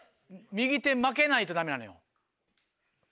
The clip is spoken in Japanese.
右手負けないとダメなのよ。